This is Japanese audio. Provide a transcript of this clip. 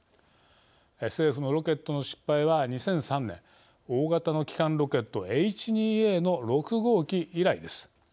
政府のロケットの失敗は２００３年大型の基幹ロケットＨ２Ａの６号機以来です。